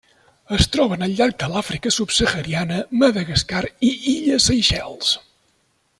Es troben al llarg de l'Àfrica subsahariana, Madagascar i illes Seychelles.